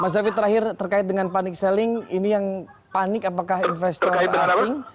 mas david terakhir terkait dengan panik selling ini yang panik apakah investor asing